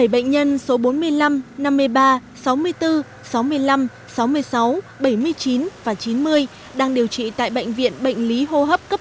bảy bệnh nhân số bốn mươi năm năm mươi ba sáu mươi bốn sáu mươi năm sáu mươi sáu bảy mươi chín và chín mươi đang điều trị tại bệnh viện bệnh lý hô hấp cấp